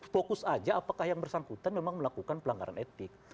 fokus aja apakah yang bersangkutan memang melakukan pelanggaran etik